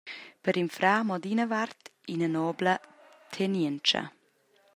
Per in frar mo d’ina vart ina nobla tenientscha!